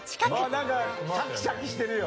なんかシャキシャキしてるよ。